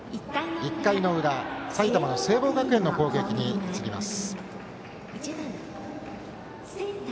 １回の裏埼玉の聖望学園の攻撃です。